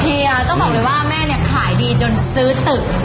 เฮียต้องบอกเลยว่าแม่เนี่ยขายดีจนซื้อตึก